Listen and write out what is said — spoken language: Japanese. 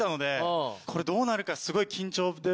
これどうなるかすごい緊張で。